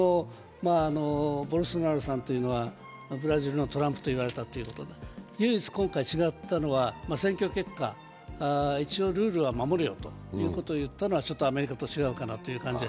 ボルソナロさんというのはブラジルのトランプと言われたということで、唯一、今回違ったのは、選挙結果、一応ルールは守るよということを言ったのはちょっとアメリカと違うと思います。